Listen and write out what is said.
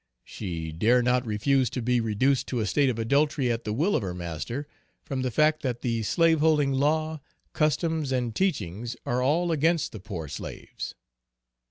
She dare not refuse to be reduced to a state of adultery at the will of her master; from the fact that the slaveholding law, customs and teachings are all against the poor slaves.